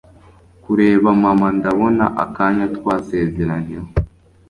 kureba mama ndabona akanya twasezeranyeho